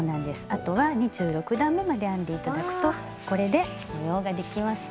あとは２６段めまで編んで頂くとこれで模様ができました。